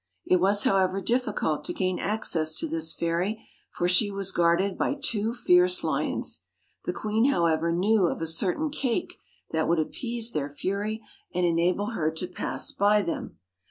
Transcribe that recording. It was, however, difficult to gain access to this fairy ; for she was guarded by two fierce lions. The queen, however, knew of a certain cake that would appease their fury, and enable her to pass by them.